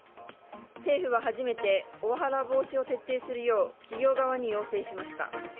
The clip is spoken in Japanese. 政府は初めてオワハラ防止を徹底するよう企業側に要請しました。